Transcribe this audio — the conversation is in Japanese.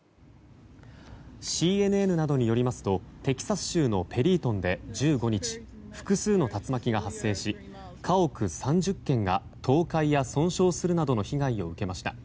ＣＮＮなどによりますとテキサス州のペリートンで１５日複数の竜巻が発生し家屋３０軒が倒壊や損傷するなどの被害を受けました。